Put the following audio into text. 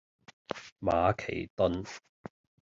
馬其頓